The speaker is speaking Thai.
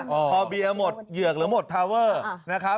พอเบียร์หมดเหยือกหรือหมดทาเวอร์นะครับ